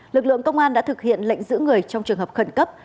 lực lượng công an đã thực hiện lệnh giữ người trong trường hợp khẩn cấp